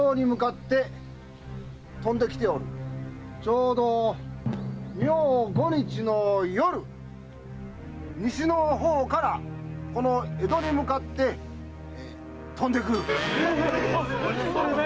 ちょうど明後日の夜西の方からこの江戸に向かって飛んでくる。